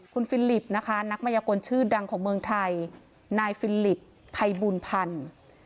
คุณฟิลิปนะคะนักมัยกลชื่อดังของเมืองไทยนายฟิลิปภัยบูลพันธ์